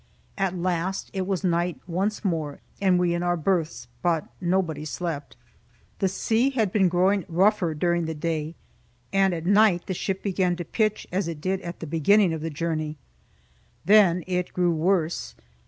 At last it was night once more, and we in our berths. But nobody slept. The sea had been growing rougher during the day, and at night the ship began to pitch as it did at the beginning of the journey. Then it grew worse.